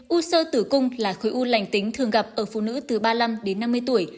u sơ tử cung là khối u lành tính thường gặp ở phụ nữ từ ba mươi năm đến năm mươi tuổi